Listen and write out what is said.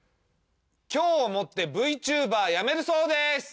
今日をもってＶＴｕｂｅｒやめるそうです！